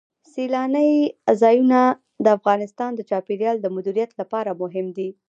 سیلانی ځایونه د افغانستان د چاپیریال د مدیریت لپاره مهم دي.